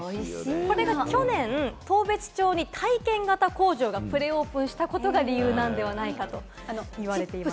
これが去年、当別町に体験型工場がプレオープンしたことが理由なんではないかと言われています。